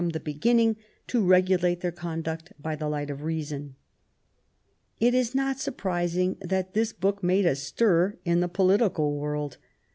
175 the beginning to regulate their conduct by the light of reason. It is not surprising that this book made a stir in the political world.